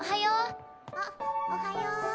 おはよう。